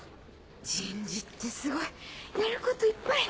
人事ってすごいやることいっぱい。